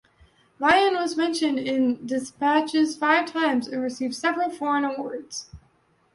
Vian was Mentioned in Despatches five times, and received several foreign awards.